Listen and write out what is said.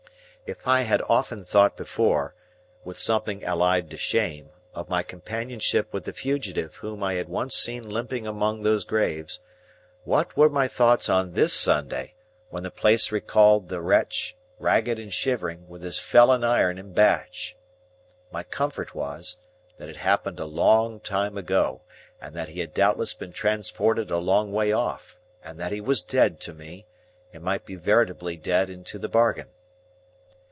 If I had often thought before, with something allied to shame, of my companionship with the fugitive whom I had once seen limping among those graves, what were my thoughts on this Sunday, when the place recalled the wretch, ragged and shivering, with his felon iron and badge! My comfort was, that it happened a long time ago, and that he had doubtless been transported a long way off, and that he was dead to me, and might be veritably dead into the bargain.